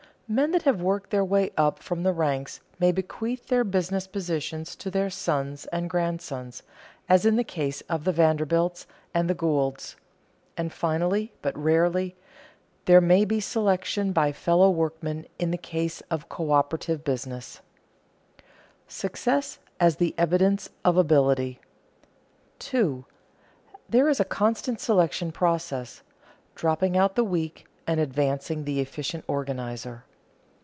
Men that have worked their way up from the ranks may bequeath their business positions to their sons and grandsons, as in the case of the Vanderbilts and the Goulds. And finally, but rarely, there may be selection by fellow workmen in the case of coöperative business. [Sidenote: Success as the evidence of ability] 2. _There is a constant selective process: dropping out the weak and advancing the efficient organizer.